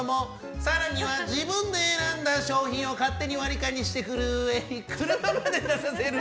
更には自分で選んだ商品を勝手に割り勘にしてくるうえに車まで出させる